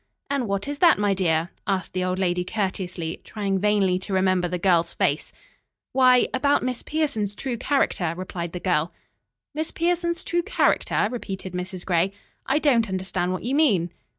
"And what is that, my dear?" asked the old lady courteously, trying vainly to remember the girl's face. "Why, about Miss Pierson's true character," replied the girl. "Miss Pierson's true character?" repeated Mrs. Gray. "I don't understand what you mean."